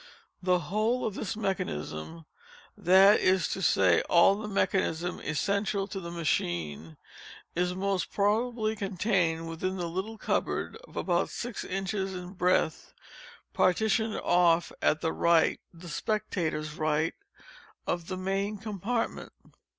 The whole of this mechanism—that is to say all the mechanism essential to the machine—is most probably contained within the little cupboard (of about six inches in breadth) partitioned off at the right (the spectators' right) of the main compartment.